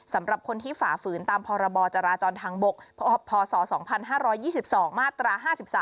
สำหรับคนที่ฝ่าฝืนตามพรบจราจรทางบกพศ๒๕๒๒มาตรา๕๓